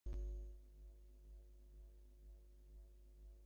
এটা তোমার স্ত্রী, তোমার সন্তান এবং তোমার কী করতে পারে, জানো?